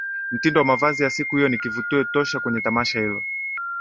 Mitindo ya mavazi ya siku hiyo ni kivutio tosha kwenye Tamasha hilo